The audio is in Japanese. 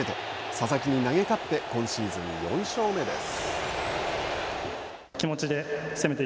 佐々木に投げ勝って今シーズン４勝目です。